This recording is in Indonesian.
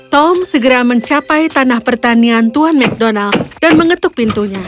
tom segera mencapai tanah pertanian tuan mcdonald dan mengetuk pintunya